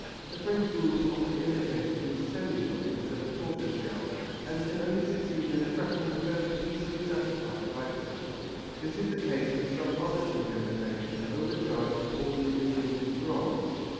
The French Buhl also is often imitated with celluloid instead of tortoise shell and can only succeed in attracting the very easily satisfied collector. This is the case with some other cheap imitations overcharged with ordinary gilded bronze.